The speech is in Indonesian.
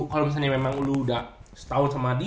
kalau misalnya memang lu udah setahun sama adi